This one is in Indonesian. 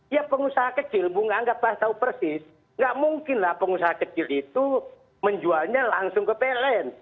ya pengusaha kecil bung anggaplah tahu persis nggak mungkin lah pengusaha kecil itu menjualnya langsung ke pln